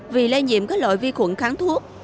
vì lây nhiễm các loại vi khuẩn kháng thuốc